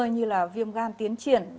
như là viêm gan tiến triển